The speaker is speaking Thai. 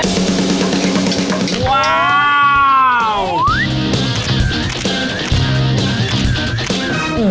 ว้าว